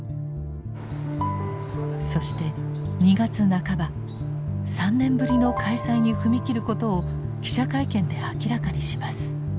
そして２月半ば３年ぶりの開催に踏み切ることを記者会見で明らかにします。